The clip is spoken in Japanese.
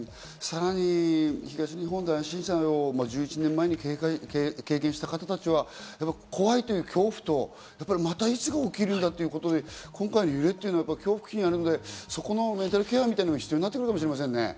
さらに東日本大震災を１１年前に経験した方たちは、怖いという恐怖と、またいつか起きるんだということで今回の揺れというのは恐怖心があるので、メンタルケアみたいなものが必要になるかもしれませんね。